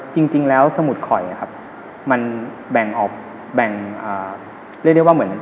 จริงแล้วสมุดข่อยครับมันแบ่งออกแบ่งเรียกได้ว่าเหมือน